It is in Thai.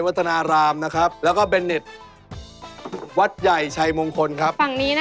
แว็กซี่ครับ